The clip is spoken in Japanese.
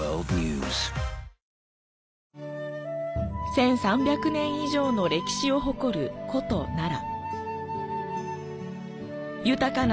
１３００年以上の歴史を誇る古都、奈良。